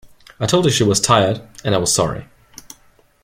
I told her she was tired, and I was sorry.